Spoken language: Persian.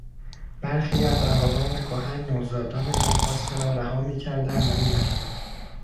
برخی از اقوامکهن نوزادان ناخواسته را رها میکردند و میرفتند.